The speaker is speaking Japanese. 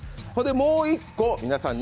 もう１個、皆さんに。